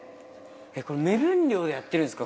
これ、目分量でやってるんですか？